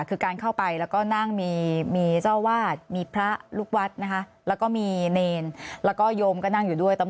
คือการเข้าไปแล้วก็นั่งมีเจ้าวาดมีพระลูกวัดนะคะแล้วก็มีเนรแล้วก็โยมก็นั่งอยู่ด้วย